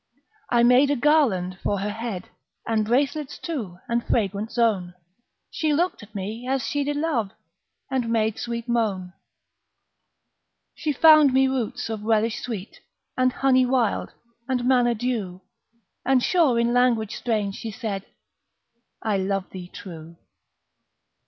I made a garland for her head, And bracelets too, and fragrant zone; She looked at me as she did love, And made sweet moan. She found me roots of relish sweet, And honey wild, and manna dew, And sure in language strange she said, "I love thee true!"